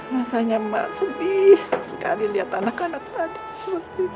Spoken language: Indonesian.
rasanya mbak sedih sekali liat anak anak tadi seperti itu